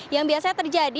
yang biasanya terjadi